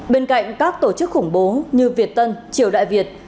bên cạnh các tổ chức khủng bố như việt tân triều đại việt